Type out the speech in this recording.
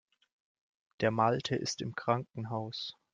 Der Malte ist im Krankenhaus.